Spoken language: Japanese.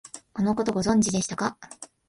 このこと、ご存知でしたか？